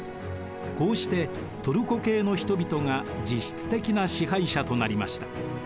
こうしてトルコ系の人々が実質的な支配者となりました。